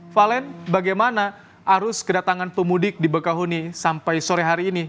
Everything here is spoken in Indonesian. valen bagaimana arus kedatangan pemudik di bekahuni sampai sore hari ini